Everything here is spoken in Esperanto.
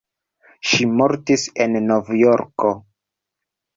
Ŝi mortis en Novjorko.